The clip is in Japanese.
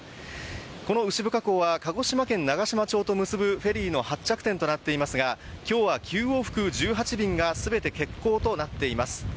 この牛深港は鹿児島県長島町を結ぶフェリーの発着地となっていますが今日は９往復１８便が全て欠航となっています。